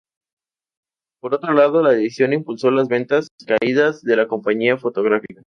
Por otro lado, la decisión impulsó las ventas caídas de la compañía fotográfica.